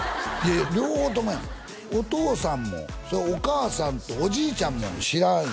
両方ともやお父さんもお母さんとおじいちゃんも「知らん」